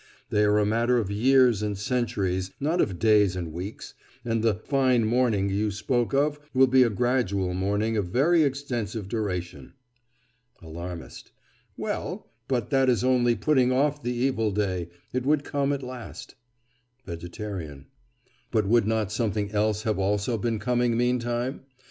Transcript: They are a matter of years and centuries, not of days and weeks; and the "fine morning" you spoke of will be a gradual morning of very extensive duration. ALARMIST: Well, but that is only putting off the evil day—it would come at last. VEGETARIAN: But would not something else have also been coming meantime?